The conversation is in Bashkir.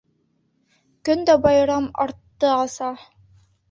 Көн дә байрам артты аса.